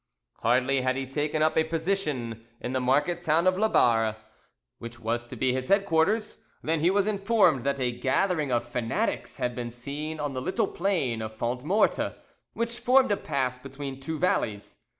Hardly had he taken up a position in the market town of Labarre, which was to be his headquarters, than he was informed that a gathering of fanatics had been seen on the little plain of Fondmorte, which formed a pass between two valleys.